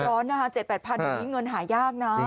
ก็เผื่อตอน๗๘พันธุ์อย่างนี้เงินหายากนะ